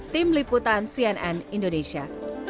tim liputan cnn indonesia